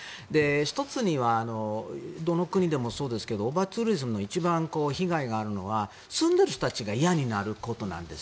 １つにはどの国でもそうですがオーバーツーリズム一番被害があるのは住んでいる人たちが嫌になることなんです。